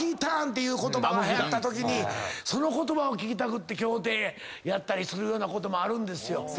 ていう言葉がはやったときにその言葉を聞きたくって競艇やったりするようなこともあるんですよ。